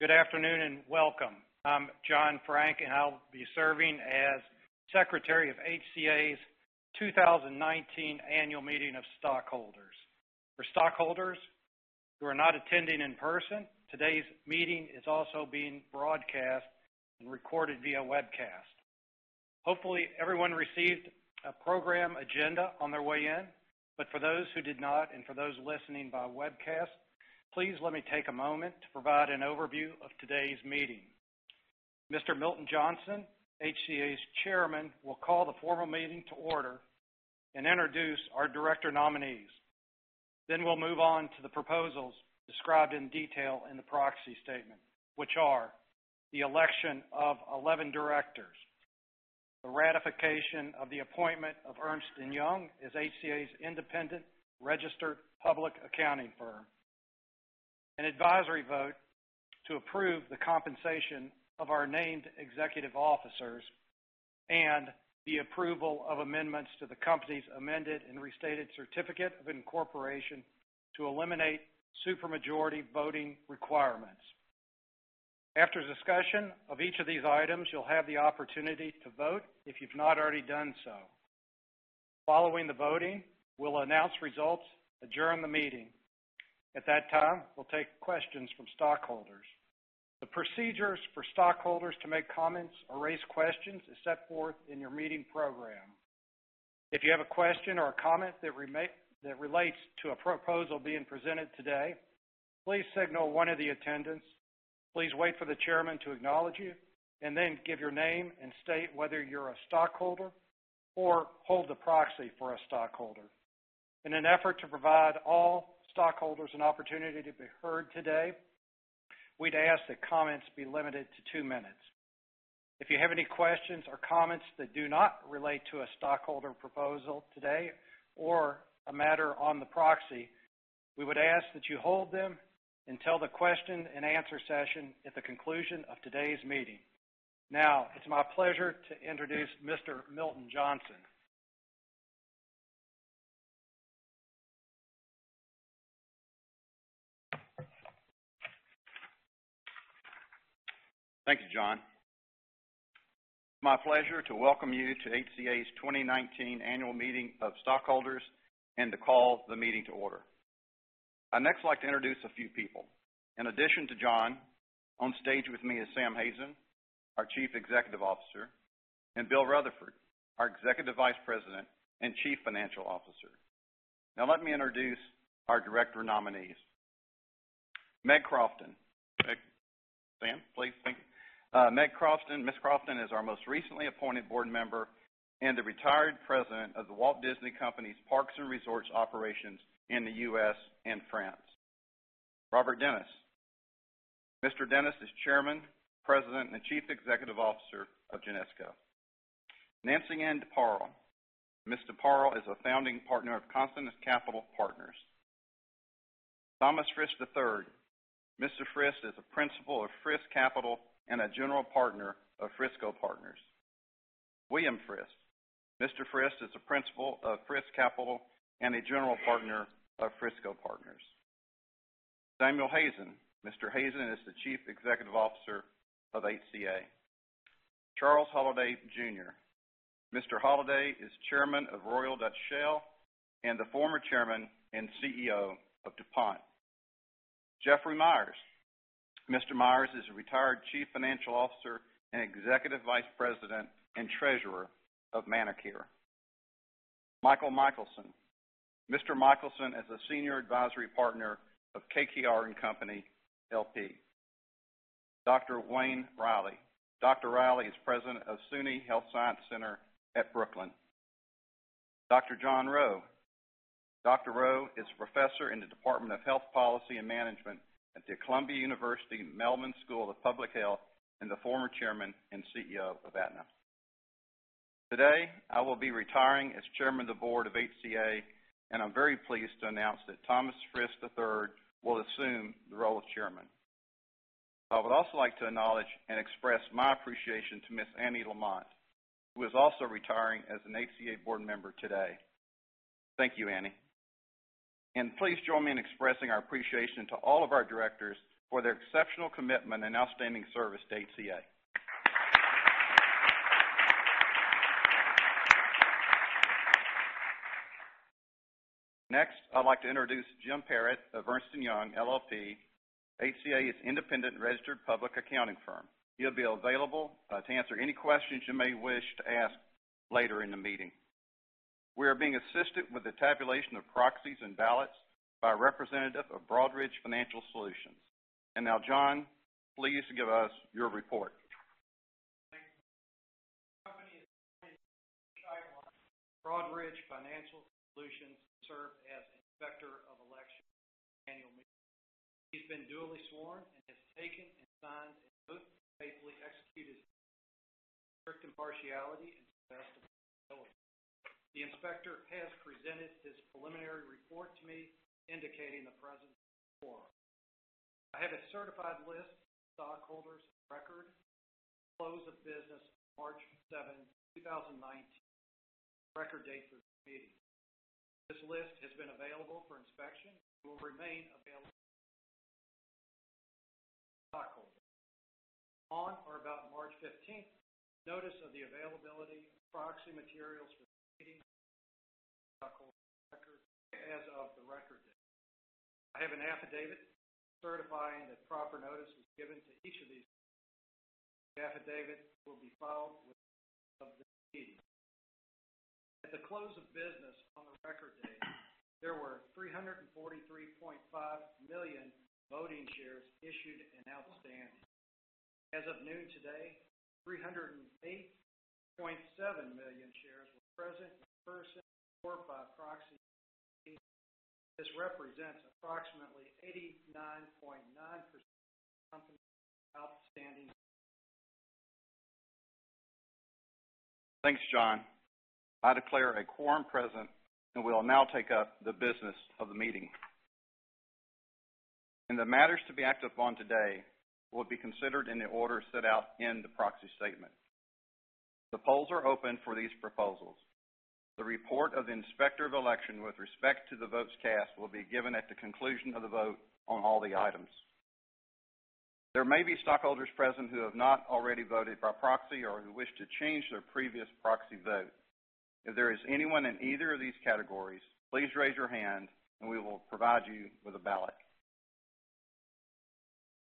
Good afternoon, and welcome. I'm John Franck, and I'll be serving as Secretary of HCA's 2019 Annual Meeting of Stockholders. For stockholders who are not attending in person, today's meeting is also being broadcast and recorded via webcast. Hopefully, everyone received a program agenda on their way in, but for those who did not, and for those listening by webcast, please let me take a moment to provide an overview of today's meeting. Mr. Milton Johnson, HCA's Chairman, will call the formal meeting to order and introduce our director nominees. We'll move on to the proposals described in detail in the proxy statement, which are the election of 11 directors, the ratification of the appointment of Ernst & Young as HCA's independent registered public accounting firm, an advisory vote to approve the compensation of our named executive officers, and the approval of amendments to the company's amended and restated certificate of incorporation to eliminate super majority voting requirements. After discussion of each of these items, you'll have the opportunity to vote if you've not already done so. Following the voting, we'll announce results, adjourn the meeting. At that time, we'll take questions from stockholders. The procedures for stockholders to make comments or raise questions is set forth in your meeting program. If you have a question or a comment that relates to a proposal being presented today, please signal one of the attendants. Please wait for the chairman to acknowledge you, and then give your name and state whether you're a stockholder or hold the proxy for a stockholder. In an effort to provide all stockholders an opportunity to be heard today, we'd ask that comments be limited to two minutes. If you have any questions or comments that do not relate to a stockholder proposal today or a matter on the proxy, we would ask that you hold them until the question and answer session at the conclusion of today's meeting. It's my pleasure to introduce Mr. Milton Johnson. Thank you, John. My pleasure to welcome you to HCA's 2019 Annual Meeting of Stockholders and to call the meeting to order. I'd next like to introduce a few people. In addition to John, on stage with me is Sam Hazen, our Chief Executive Officer, and Bill Rutherford, our Executive Vice President and Chief Financial Officer. Let me introduce our director nominees. Meg Crofton. Sam, please thank Meg Crofton. Ms. Crofton is our most recently appointed board member and the retired president of The Walt Disney Company's Parks and Resorts operations in the U.S. and France. Robert Dennis. Mr. Dennis is Chairman, President, and Chief Executive Officer of Genesco. Nancy-Ann DeParle. Ms. DeParle is a founding partner of Consonance Capital Partners. Thomas Frist III. Mr. Frist is a Principal of Frist Capital and a general partner of Frisco Partners. William Frist. Mr. Frist is a Principal of Frist Capital and a general partner of Frisco Partners. Samuel Hazen. Mr. Hazen is the Chief Executive Officer of HCA. Charles Holliday Jr. Mr. Holliday is Chairman of Royal Dutch Shell and the former chairman and CEO of DuPont. Jeffrey Myers. Mr. Myers is a retired Chief Financial Officer and Executive Vice President and Treasurer of ManorCare. Michael Michelson. Mr. Michaelson is a Senior Advisory Partner of KKR & Co. LP. Dr. Wayne Riley. Dr. Riley is President of SUNY Downstate Health Sciences University. Dr. John Rowe. Dr. Rowe is Professor in the Department of Health Policy and Management at the Columbia University Mailman School of Public Health, and the former chairman and CEO of Aetna. Today, I will be retiring as Chairman of the Board of HCA, and I'm very pleased to announce that Thomas Frist III will assume the role of chairman. I would also like to acknowledge and express my appreciation to Ms. Annie Lamont, who is also retiring as an HCA board member today. Thank you, Annie. Please join me in expressing our appreciation to all of our directors for their exceptional commitment and outstanding service to HCA. Next, I'd like to introduce Jim Parrott of Ernst & Young LLP, HCA's independent registered public accounting firm. He'll be available to answer any questions you may wish to ask later in the meeting. We are being assisted with the tabulation of proxies and ballots by a representative of Broadridge Financial Solutions. Now, John, please give us your report. Thank you. The company has hired Broadridge Financial Solutions to serve as inspector of election for the annual meeting. He's been duly sworn and has taken and signed an oath to faithfully execute his strict impartiality and best ability. The inspector has presented his preliminary report to me indicating the presence of a quorum. I have a certified list of stockholders of record at the close of business on March 7th, 2019, the record date for the meeting. This list has been available for inspection and will remain available to stockholders. On or about March 15th, notice of the availability of proxy materials for the meeting stockholders of record as of the record date. I have an affidavit certifying that proper notice was given to each of these. The affidavit will be filed with of this meeting. At the close of business on the record date, there were 343.5 million voting shares issued and outstanding. As of noon today, 308.7 million shares were present in person or by proxy at the meeting. This represents approximately 89.9% of the company's outstanding Thanks, John. I declare a quorum present, we will now take up the business of the meeting. The matters to be acted upon today will be considered in the order set out in the proxy statement. The polls are open for these proposals. The report of the Inspector of Election with respect to the votes cast will be given at the conclusion of the vote on all the items. There may be stockholders present who have not already voted by proxy or who wish to change their previous proxy vote. If there is anyone in either of these categories, please raise your hand and we will provide you with a ballot.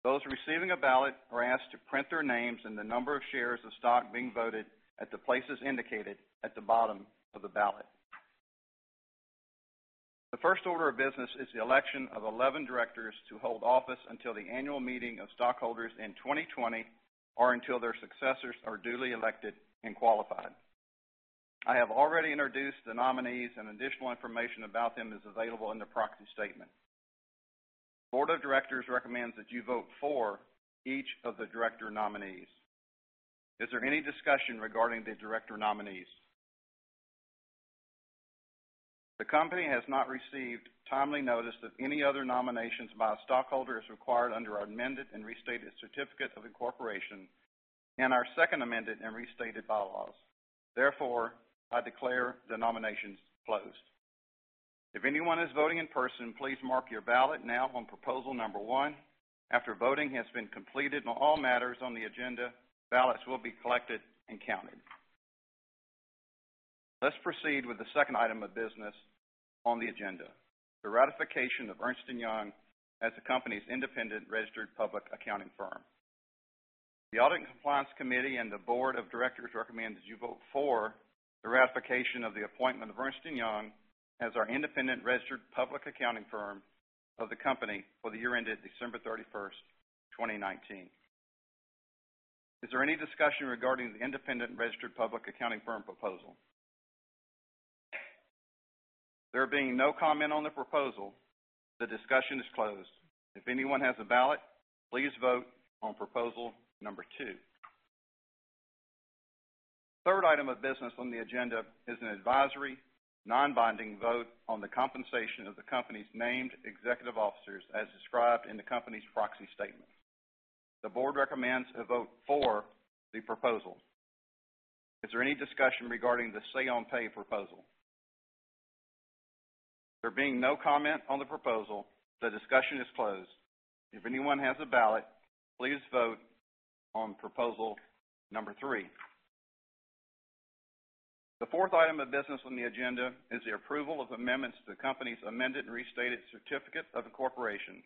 Those receiving a ballot are asked to print their names and the number of shares of stock being voted at the places indicated at the bottom of the ballot. The first order of business is the election of 11 directors to hold office until the annual meeting of stockholders in 2020, or until their successors are duly elected and qualified. I have already introduced the nominees. Additional information about them is available in the proxy statement. Board of Directors recommends that you vote for each of the director nominees. Is there any discussion regarding the director nominees? The company has not received timely notice of any other nominations by a stockholder as required under our amended and restated certificate of incorporation and our second amended and restated bylaws. Therefore, I declare the nominations closed. If anyone is voting in person, please mark your ballot now on proposal number 1. After voting has been completed on all matters on the agenda, ballots will be collected and counted. Let's proceed with the second item of business on the agenda, the ratification of Ernst & Young as the company's independent registered public accounting firm. The Audit and Compliance Committee and the Board of Directors recommends that you vote for the ratification of the appointment of Ernst & Young as our independent registered public accounting firm of the company for the year ended December 31st, 2019. Is there any discussion regarding the independent registered public accounting firm proposal? There being no comment on the proposal, the discussion is closed. If anyone has a ballot, please vote on proposal number 2. Third item of business on the agenda is an advisory, non-binding vote on the compensation of the company's named executive officers as described in the company's proxy statement. The board recommends a vote for the proposal. Is there any discussion regarding the say-on-pay proposal? There being no comment on the proposal, the discussion is closed. If anyone has a ballot, please vote on proposal number 3. The fourth item of business on the agenda is the approval of amendments to the company's amended and restated certificate of incorporation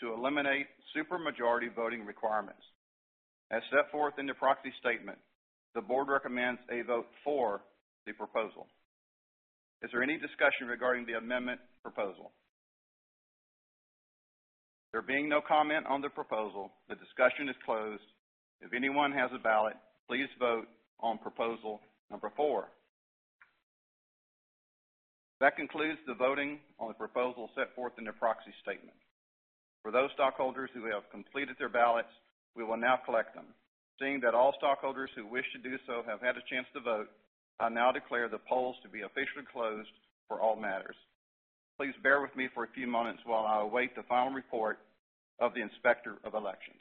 to eliminate super majority voting requirements. As set forth in the proxy statement, the board recommends a vote for the proposal. Is there any discussion regarding the amendment proposal? There being no comment on the proposal, the discussion is closed. If anyone has a ballot, please vote on proposal number 4. That concludes the voting on the proposal set forth in the proxy statement. For those stockholders who have completed their ballots, we will now collect them. Seeing that all stockholders who wish to do so have had a chance to vote, I now declare the polls to be officially closed for all matters. Please bear with me for a few moments while I await the final report of the Inspector of Elections.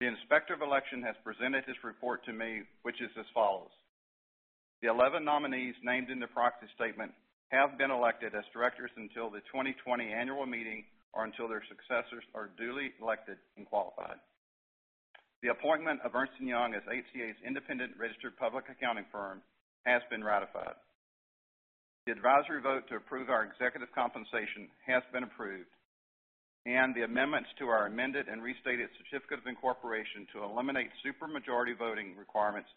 The Inspector of Election has presented his report to me, which is as follows. The 11 nominees named in the proxy statement have been elected as directors until the 2020 annual meeting or until their successors are duly elected and qualified. The appointment of Ernst & Young as HCA's independent registered public accounting firm has been ratified. The advisory vote to approve our executive compensation has been approved, and the amendments to our amended and restated certificate of incorporation to eliminate super majority voting requirements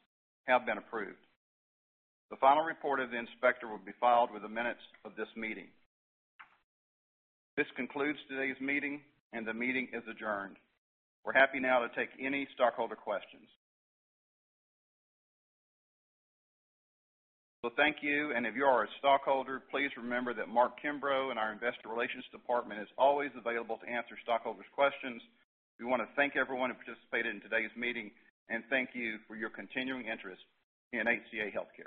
have been approved. The final report of the inspector will be filed with the minutes of this meeting. This concludes today's meeting and the meeting is adjourned. We're happy now to take any stockholder questions. Well, thank you, and if you are a stockholder, please remember that Mark Kimbrough and our investor relations department is always available to answer stockholders' questions. We want to thank everyone who participated in today's meeting, and thank you for your continuing interest in HCA Healthcare